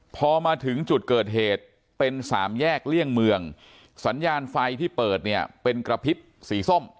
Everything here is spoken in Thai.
พอมาถึงจุดเกิดเหตุเป็นสามแยกเลี่ยงเมืองสัญญาณไฟที่เปิดเนี่ยเป็นกระพริบสีส้ม